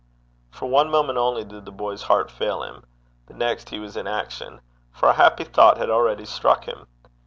For one moment only did the boy's heart fail him. The next he was in action, for a happy thought had already struck him.